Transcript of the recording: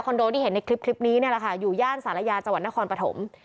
คอนโดที่เห็นในคลิปนี้นี่แหละค่ะอยู่ย่านศาลายาจนครปฐม